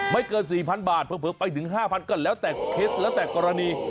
เกิน๔๐๐บาทเผลอไปถึง๕๐๐ก็แล้วแต่เคล็ดแล้วแต่กรณี